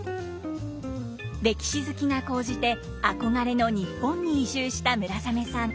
歴史好きが高じて憧れの日本に移住した村雨さん。